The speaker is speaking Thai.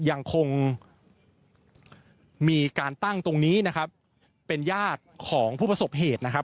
ยังคงมีการตั้งตรงนี้นะครับเป็นญาติของผู้ประสบเหตุนะครับ